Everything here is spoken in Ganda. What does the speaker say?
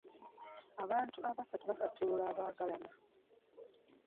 Abantu abasatu basattulula abaagalana.